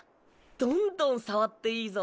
どんどん触っていいぞ。